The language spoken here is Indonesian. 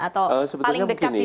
atau paling dekat di sini